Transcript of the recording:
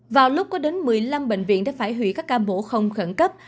vào lúc có đến một mươi năm bệnh viện đã phải hủy các ca mổ không khẩn cấp